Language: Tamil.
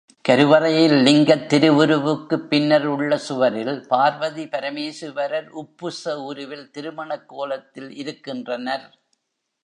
கருவறையில் லிங்கத் திருவுருவுக்குப் பின்னர் உள்ள சுவரில் பார்வதி பரமேசுவரர் உப்புச உருவில் திருமணக் கோலத்தில் இருக்கின்றனர்.